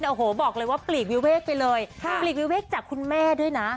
โอ้โหบอกเลยว่าปลีกวิเวกไปเลยปลีกวิเวกจากคุณแม่ด้วยนะ